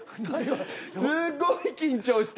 すごい緊張した。